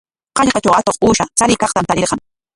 Hallqatraw atuq uusha chariykaqtam tarirqan.